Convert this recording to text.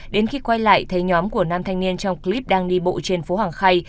đến khi quay lại thấy nhóm của nam thanh niên trong clip đang đi bộ trên phố hàng khay